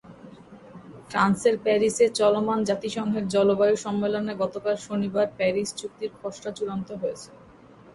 ফ্রান্সের প্যারিসে চলমান জাতিসংঘের জলবায়ু সম্মেলনে গতকাল শনিবার প্যারিস চুক্তির খসড়া চূড়ান্ত হয়েছে।